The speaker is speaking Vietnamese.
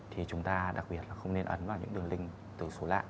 thì chúng ta đặc biệt là không nên ấn vào những đường link từ số lạ